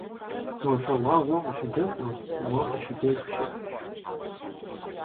Уафэгъуагъуэ къыщыдэкӀуэ, уэ къыщыдех щыӀэщ.